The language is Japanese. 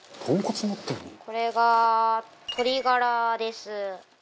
これが鶏ガラです。